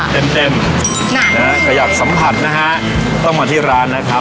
เต็มเต็มนะฮะใครอยากสัมผัสนะฮะต้องมาที่ร้านนะครับ